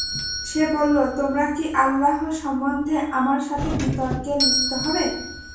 সে বলল, তোমরা কি আল্লাহ সম্বন্ধে আমার সাথে বিতর্কে লিপ্ত হবে?